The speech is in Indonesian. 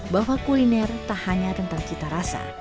bahwa kuliner tak hanya tentang cita rasa